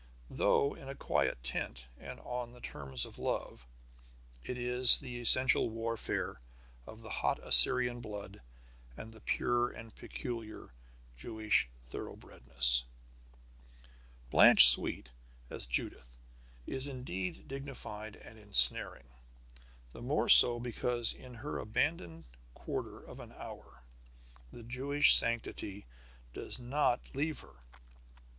Though in a quiet tent, and on the terms of love, it is the essential warfare of the hot Assyrian blood and the pure and peculiar Jewish thoroughbredness. Blanche Sweet as Judith is indeed dignified and ensnaring, the more so because in her abandoned quarter of an hour the Jewish sanctity does not leave her.